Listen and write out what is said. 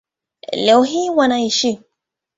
Leo hii wanaishi